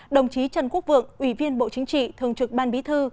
đồng chí trần quốc vượng ủy viên bộ chính trị thường trực ban bí thư